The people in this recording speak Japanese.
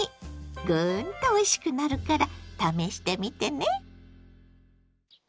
グーンとおいしくなるから試してみてね。